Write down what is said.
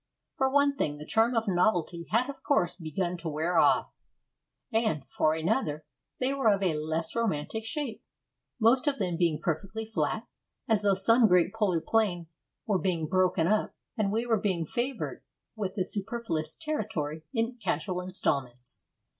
For one thing, the charm of novelty had, of course, begun to wear off. And, for another, they were of a less romantic shape, most of them being perfectly flat, as though some great polar plain were being broken up and we were being favoured with the superfluous territory in casual instalments.